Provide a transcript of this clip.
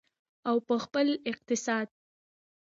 او په خپل اقتصاد.